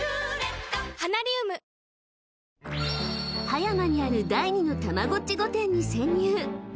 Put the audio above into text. ［葉山にある第２のたまごっち御殿に潜入］